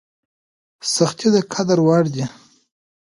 سختۍ د قدر وړ دي.